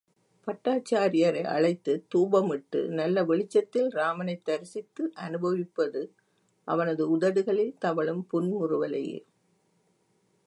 பட்டாச்சாரியரை அழைத்துத் தூபம் இட்டு நல்ல வெளிச்சத்தில் ராமனைச் தரிசித்து அனுப்விப்பது அவனது உதடுகளில் தவழும் புன்முறுவலையே.